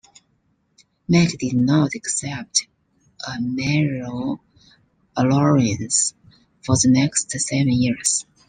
Mack did not accept a mayoral allowance for the next seven years.